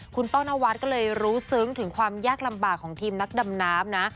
คุณป้อนวัดก็เลยรู้ซึ้งถึงความยากลำบากของทีมนักดำน้ำนะ